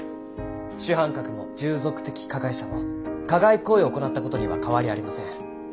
主犯格も従属的加害者も加害行為を行った事には変わりありません。